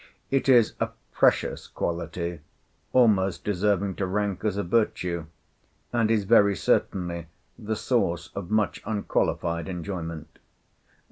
It is a precious quality, almost deserving to rank as a virtue, and is very certainly the source of much unqualified enjoyment.